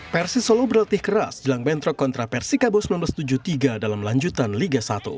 persis solo berlatih keras jelang bentrok kontra persikabo seribu sembilan ratus tujuh puluh tiga dalam lanjutan liga satu